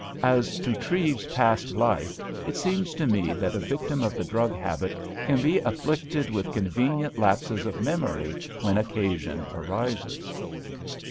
As to Treves's past life, it seems to me that a victim of the drug habit can be afflicted with convenient lapses of memory when occasion arises."